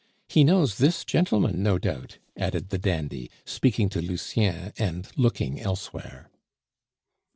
He knows this gentleman, no doubt," added the dandy, speaking to Lucien, and looking elsewhere.